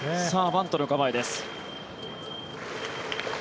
バントの構えです。